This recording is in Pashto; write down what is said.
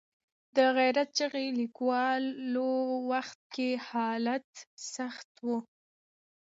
د غیرت چغې لیکلو وخت کې حالات سخت وو.